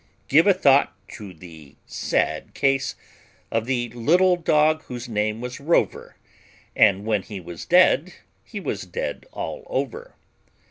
Give a thought to the sad case of the "little dog whose name was Rover, and when he was dead he was dead all over."